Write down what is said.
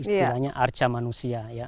istilahnya arca manusia